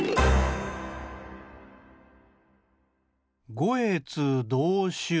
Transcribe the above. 「ごえつどうしゅう」。